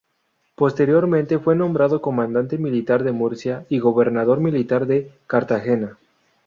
Posteriormente fue nombrado comandante militar de Murcia y Gobernador militar de Cartagena.